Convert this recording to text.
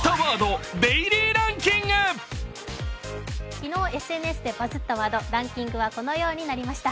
昨日、ＳＮＳでバズったワード、ランキングはこのようになりました。